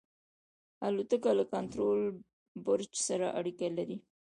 الوتکه له کنټرول برج سره اړیکه لري.